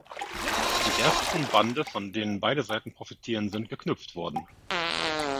Die ersten Bande, von denen beide Seiten profitieren, sind geknüpft worden.